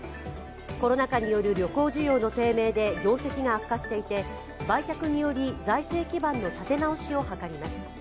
コロナ禍による旅行需要の低迷で業績が悪化していて、売却により財政基盤の立て直しを図ります。